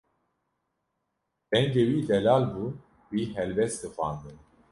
Dengê wî delal bû, wî helbest dixwandin.